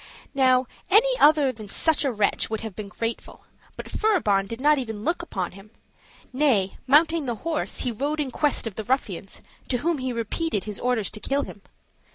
Now, any other than such a wretch would have been grateful, but Furibon did not even look upon him; nay, mounting the horse, he rode in quest of the ruffians, to whom he repeated his orders to kill him.